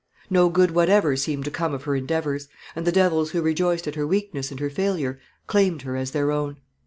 No good whatever seemed to come of her endeavours; and the devils who rejoiced at her weakness and her failure claimed her as their own.